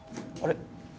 あれ？